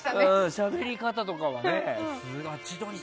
しゃべり方とかはすごい。